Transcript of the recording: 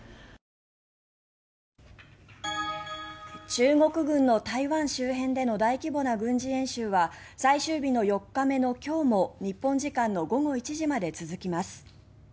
中国軍の台湾周辺での大規模な軍事演習は最終日の４日目の今日も日本時間の午後１時まで続きます。